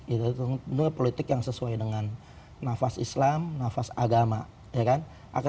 itu politik yang sesuai dengan nafas islam nafas agama